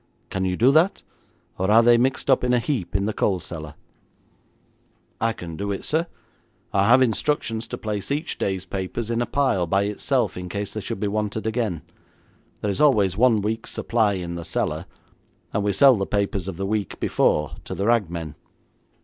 Can you do that, or are they mixed up in a heap in the coal cellar?' 'I can do it, sir. I have instructions to place each day's papers in a pile by itself in case they should be wanted again. There is always one week's supply in the cellar, and we sell the papers of the week before to the rag men.'